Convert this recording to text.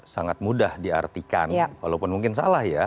sangat mudah diartikan walaupun mungkin salah ya